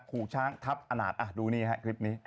ขู่ช้างทับอาหนาดดูนี่ครับคลิปนี้